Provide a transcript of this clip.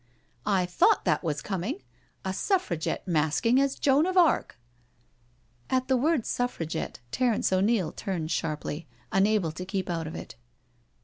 " I thought that was coming. A Suffragette masking as Joan of Arc!" At the word Suffragette, Terence O'Neil turned sharply, unable to keep out of it.